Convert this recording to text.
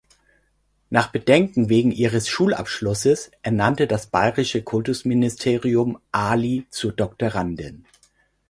Nach Bedenken wegen ihres Schulabschlusses ernannte das bayerische Kultusministerium Ali zur Doktorandin.